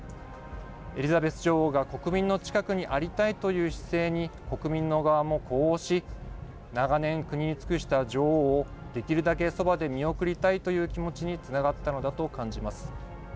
エリザベス女王が国民の近くにありたいという姿勢に国民の側も呼応し長年、国に尽くした女王をできるだけそばで見送りたいという気持ちにつながったのだと感じます。